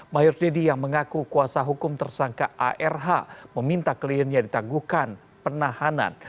mayor deddy yang mengaku kuasa hukum tersangka arh meminta kliennya ditangguhkan penahanan